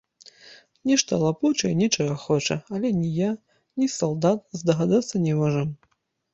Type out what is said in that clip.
Нешта лапоча і нечага хоча, але ні я, ні салдат здагадацца не можам.